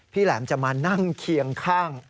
แหลมจะมานั่งเคียงข้าง